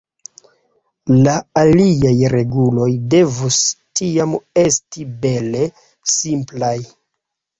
La aliaj reguloj devus tiam esti bele simplaj.